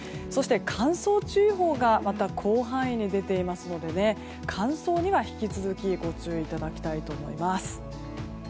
そして、乾燥注意報が広範囲に出ていますので乾燥には引き続きご注意いただきたいと思います。